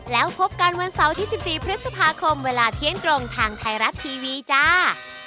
แล้วพบกันวันเสาร์ที่๑๔พฤษภาคมเวลาเที่ยงตรงทางไทยรัฐทีวีจ้า